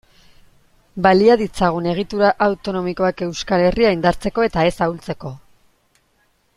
Balia ditzagun egitura autonomikoak Euskal Herria indartzeko eta ez ahultzeko.